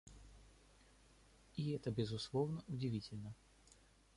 И это, безусловно, удивительно.